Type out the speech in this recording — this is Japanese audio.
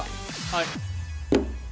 はい。